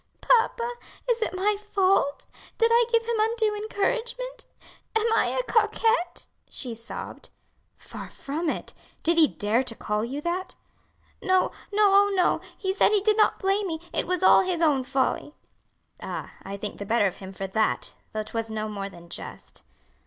"Papa, is it my fault? did I give him undue encouragement? am I a coquette?" she sobbed. "Far from it! did he dare to call you that?" "No, no, oh, no; he said he did not blame me; it was all his own folly." "Ah! I think the better of him for that; though 'twas no more than just."